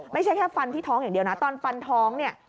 ไม่ใช่แค่ฟันที่ท้องอย่างเดียวนะตอนฟันท้องเนี่ย